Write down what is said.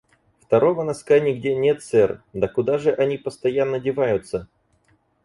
«Второго носка нигде нет, сэр». — «Да куда же они постоянно деваются?»